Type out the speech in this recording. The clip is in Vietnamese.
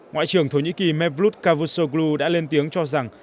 ngoại trưởng thổ nhĩ kỳ mevlut cavusoglu đã lên tiếng cho rằng